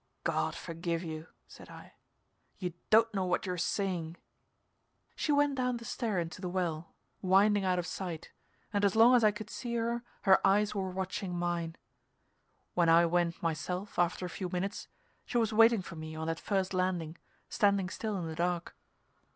"God forgive you," said I. "You don't know what you're saying." She went down the stair into the well, winding out of sight, and as long as I could see her, her eyes were watching mine. When I went, myself, after a few minutes, she was waiting for me on that first landing, standing still in the dark.